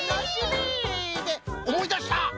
でおもいだした！